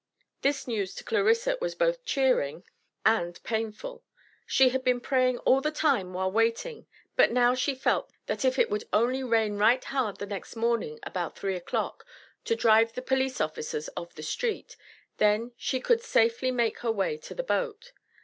This news to Clarissa was both cheering and painful. She had been "praying all the time while waiting," but now she felt "that if it would only rain right hard the next morning about three o'clock, to drive the police officers off the street, then she could safely make her way to the boat."